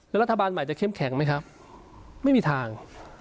รัฐบาลใหม่จะเข้มแข็งไหมครับไม่มีทาง